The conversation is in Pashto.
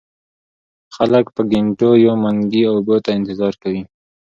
خلک په ګېنټو يو منګي اوبو ته انتظار کوي ـ